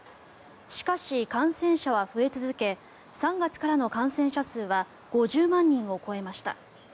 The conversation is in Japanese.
しかし、感染者は増え続け３月からの感染者数は５０万人を超えました。